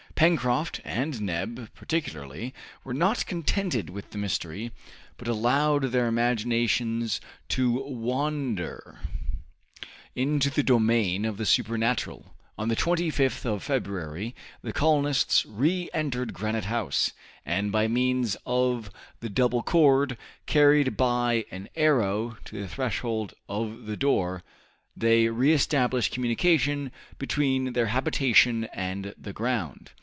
Pencroft and Neb, particularly, were not contented with the mystery, but allowed their imaginations to wander into the domain of the supernatural. On the 25th of February the colonists re entered Granite House, and by means of the double cord, carried by an arrow to the threshold of the door, they re established communication between their habitation and the ground.